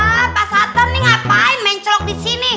lah pak satan nih ngapain main celok disini